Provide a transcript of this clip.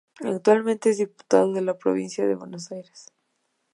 Actualmente es Diputado de la Provincia de Buenos Aires.